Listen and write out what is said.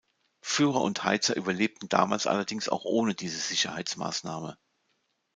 Führer und Heizer überlebten damals allerdings auch ohne diese Sicherheitsmaßnahme.